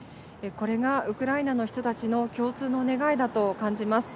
これがウクライナの人たちの共通の願いだと感じます。